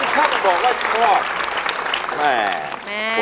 ถึงถ้ามันบอกว่าชอบ